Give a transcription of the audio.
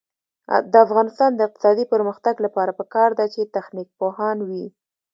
د افغانستان د اقتصادي پرمختګ لپاره پکار ده چې تخنیک پوهان وي.